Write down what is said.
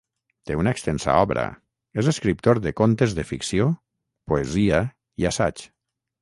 Té una extensa obra: és escriptor de contes de ficció, poesia i assaig.